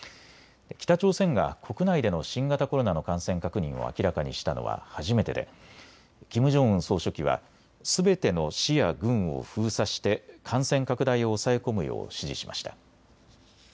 北朝鮮が国内での新型コロナの感染確認を明らかにしたのは初めてでキム・ジョンウン総書記はすべての市や郡を封鎖して感染拡大を抑え込むよう指示しました。